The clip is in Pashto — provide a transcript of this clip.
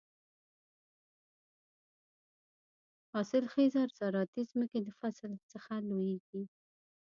حاصل خېزه زراعتي ځمکې د فصل څخه لوېږي.